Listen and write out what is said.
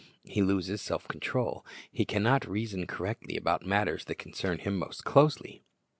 He loses self control. He can not reason correctly about matters that concern him most closely.